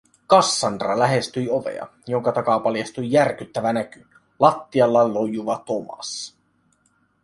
Cassandra lähestyi ovea, jonka takaa paljastui järkyttävä näky - lattialla lojuva Thomas.